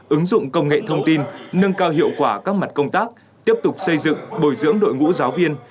ứng dụng công nghệ thông tin nâng cao hiệu quả các mặt công tác tiếp tục xây dựng bồi dưỡng đội ngũ giáo viên